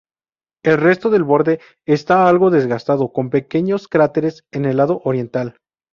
El resto del borde está algo desgastado, con pequeños cráteres en el lado oriental.